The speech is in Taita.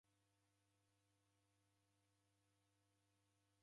Kwaja kii kwaghuda huwu?